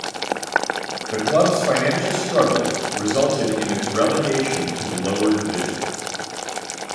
The club's financial struggles resulted in its relegation to the lower divisions.